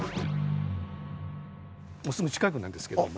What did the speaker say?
もうすぐ近くなんですけども。